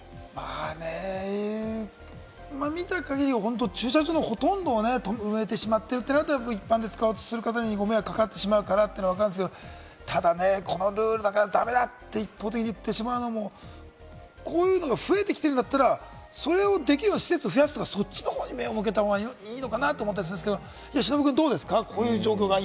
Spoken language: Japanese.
見た限りは本当、駐車場、ほとんど止めてしまっているってなると一般で使おうとする方にご迷惑がかかってしまうかなって分かるんですけれど、ただ、このルールだから駄目だって一方的に言ってしまうのも、こういうのが増えてきているんだったら、それをできるような施設を増やすとか、そっちの方に目を向ける方がいいのかなと思ったりするんですけれども、忍君どうですか？